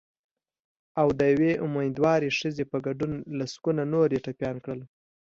او د یوې امېندوارې ښځې په ګډون لسګونه نور یې ټپیان کړل